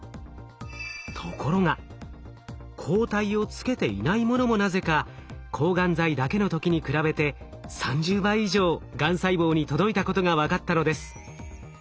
ところが抗体をつけていないものもなぜか抗がん剤だけの時に比べて３０倍以上がん細胞に届いたことが分かったのです。